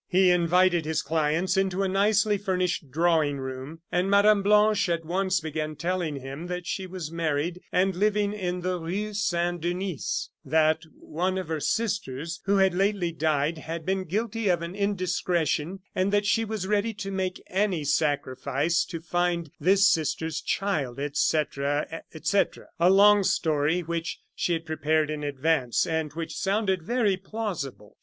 He invited his clients into a nicely furnished drawing room, and Mme. Blanche at once began telling him that she was married, and living in the Rue Saint Denis, that one of her sisters, who had lately died, had been guilty of an indiscretion, and that she was ready to make any sacrifice to find this sister's child, etc., etc. A long story, which she had prepared in advance, and which sounded very plausible.